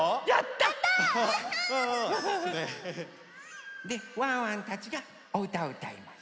やった！でワンワンたちがおうたをうたいます。